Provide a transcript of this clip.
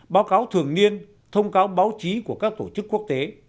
báo cáo thường niên thông cáo báo chí của các tổ chức quốc tế